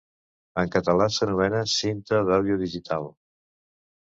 En català s'anomena Cinta d'Àudio Digital.